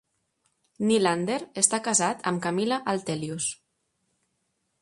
Nylander està casat amb Camilla Altelius.